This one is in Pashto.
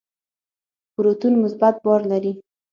پروتون مثبت بار لري.